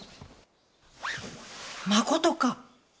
まことか？